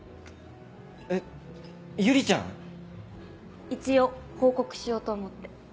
えっ友里ちゃん。一応報告しようと思って。